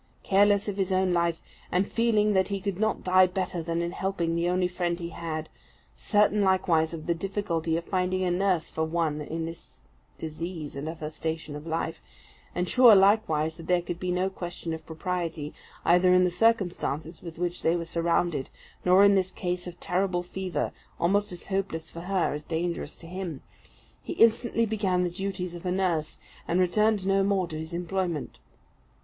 Careless of his own life, and feeling that he could not die better than in helping the only friend he had; certain, likewise, of the difficulty of finding a nurse for one in this disease and of her station in life; and sure, likewise, that there could be no question of propriety, either in the circumstances with which they were surrounded, nor in this case of terrible fever almost as hopeless for her as dangerous to him, he instantly began the duties of a nurse, and returned no more to his employment.